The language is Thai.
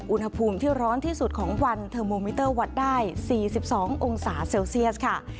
อุณหภูมิที่ร้อนที่สุดของวันเทอร์โมมิเตอร์วัดได้๔๒องศาเซลเซียสค่ะ